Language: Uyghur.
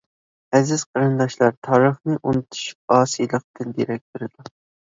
ئەزىز قېرىنداشلار، تارىخنى ئۇنتۇش ئاسىيلىقتىن دېرەك بېرىدۇ.